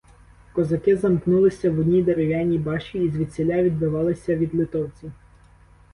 Козаки замкнулися в одній дерев'яній башті і звідсіля відбивалися від литовців.